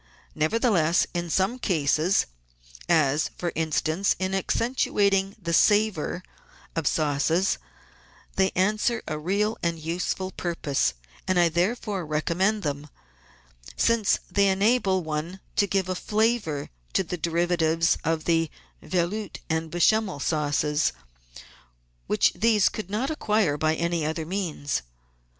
Nevertheless, in some cases, as, for instance, in accen tuating the savour of sauces, they answer a real and useful pur pose, and I therefore recommend them, since they enable one to give a flavour to the derivatives of the Velout6 and Bechamel sauces which these could not acquire by any other means.